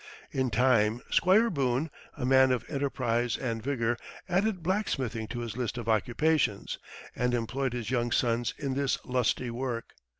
In time Squire Boone, a man of enterprise and vigor, added blacksmithing to his list of occupations, and employed his young sons in this lusty work.